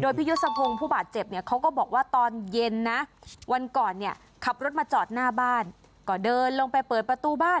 โดยพี่ยศพงผู้บาดเจ็บเนี่ยเขาก็บอกว่าตอนเย็นนะวันก่อนเนี่ยขับรถมาจอดหน้าบ้านก็เดินลงไปเปิดประตูบ้าน